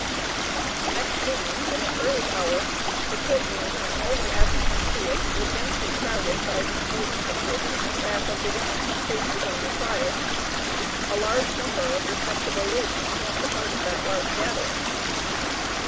The next morning, at an early hour, the court room, and all the avenues to it were densely crowded by people interested in behalf of the woman whose case was under trial. A large number of respectable ladies formed a part of the large gathering.